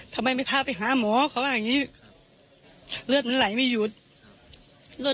ทำไมทีตำรวจต้องส่งโรงพยาบาลได้